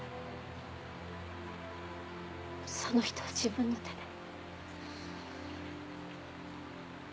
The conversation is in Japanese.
その人を自分の手で。